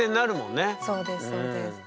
そうですそうです。